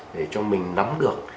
để cho mình nắm được